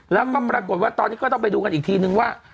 แล้วก็ปรากฏว่าตอนนี้ก็ต้องไปดูกันอีกทีนึงว่า